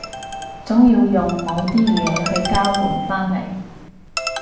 總要用某啲嘢去交換返嚟